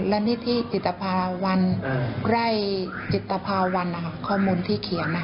และนี่ที่จิตภาวรรณไร่จิตภาวรรณข้อมูลที่เขียน